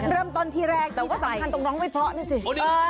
เริ่มตอนที่แรกแต่ต้องก่อนต้องร้องไม่เพราะนี่สิ